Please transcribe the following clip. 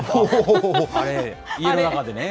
あれ、家の中でね。